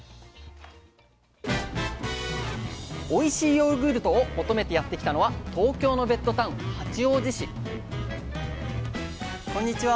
おいしいヨーグルトを求めてやって来たのは東京のベッドタウン八王子市こんにちは。